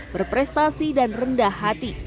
berprestasi dan rendah hati